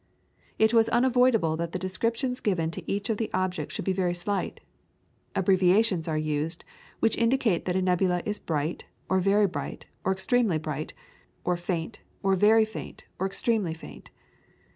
It was unavoidable that the descriptions given to each of the objects should be very slight. Abbreviations are used, which indicate that a nebula is bright, or very bright, or extremely bright, or faint, or very faint, or extremely faint.